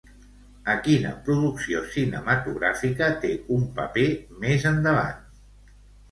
A quina producció cinematogràfica té un paper més endavant?